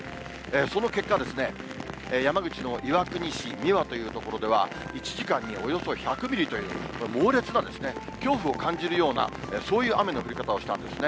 その結果、山口の岩国市美和という所では、１時間におよそ１００ミリという、猛烈なですね、恐怖を感じるような、そういう雨の降り方をしたんですね。